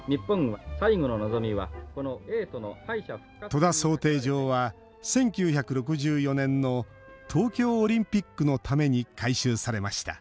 戸田漕艇場は１９６４年の東京オリンピックのために改修されました。